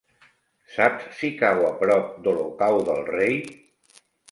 Saps si cau a prop d'Olocau del Rei?